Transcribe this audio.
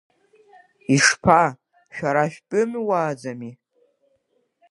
Ишԥа, шәара шәтәымуааӡами?!